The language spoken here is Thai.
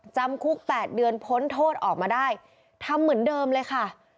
จำคุก๘เดือนพ้นโทษออกมาได้ทำเหมือนเดิมเลยค่ะ